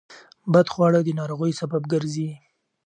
بدخواړه د ناروغیو سبب ګرځي.